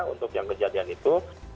untuk yang kejadian itu